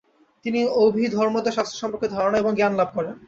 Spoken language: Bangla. তিনি অভিধর্মদা শাস্ত্র সম্পর্কে ধারণা এবং জ্ঞান লাভ করেন।